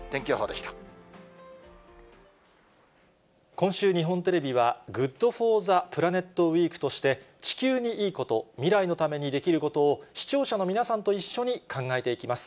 今週、日本テレビは、ＧｏｏｄＦｏｒｔｈｅＰｌａｎｅｔウィークとして、地球にいいこと、未来のためにできることを、視聴者の皆さんと一緒に考えていきます。